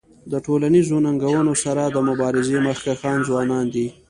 د ټولنیزو ننګونو سره د مبارزی مخکښان ځوانان دي.